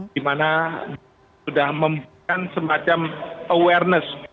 dimana sudah membuka semacam awareness